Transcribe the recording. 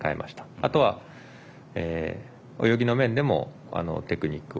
あとは泳ぎの面でもテクニックを。